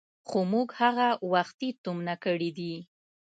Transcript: خو موږ هغه وختي تومنه کړي دي.